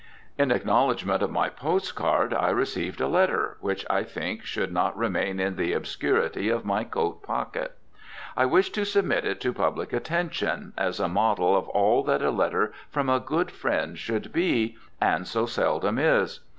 In acknowledgment of my postcard I received a letter, which I think should not remain in the obscurity of my coat pocket. I wish to submit it to public attention as a model of all that a letter from a good friend should be, and so seldom is!